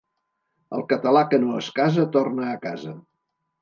El català que no es casa torna a casa.